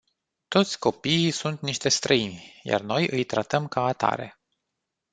Toți copiii sunt niște străini. Iar noi îi tratăm ca atare.